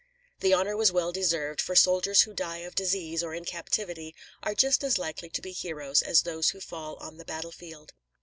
This honor was well deserved, for soldiers who die of disease or in captivity are just as likely to be heroes as those who fall on the battlefield.